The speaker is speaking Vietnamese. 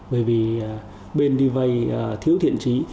bởi vì bên đi vay thiếu thiện trí